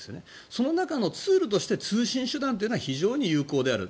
その中のツールとして通信手段は非常に有効である。